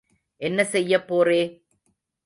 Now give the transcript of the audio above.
என்ன செய்யப் போறே?